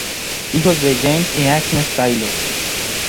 Hijo de James y Agnes Taylor.